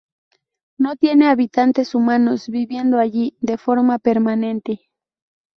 No tiene habitantes humanos viviendo allí de forma permanente.